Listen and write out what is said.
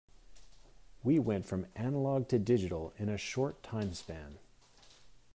We went from analogue to digital in a short timespan.